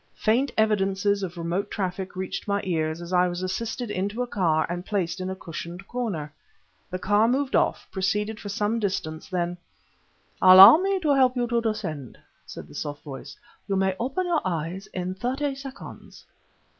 Faint evidences of remote traffic reached my ears as I was assisted into a car and placed in a cushioned corner. The car moved off, proceeded for some distance; then "Allow me to help you to descend," said the soft voice. "You may open your eyes in thirty seconds."